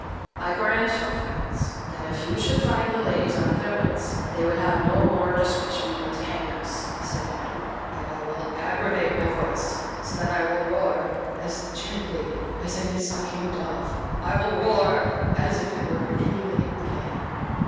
"I grant you, friends, that if you should frighten the ladies out of their wits, they would have no more discretion but to hang us," said Bottom. "But I will aggravate my voice so that I will roar as gently as any sucking dove; I will roar as if it were any nightingale."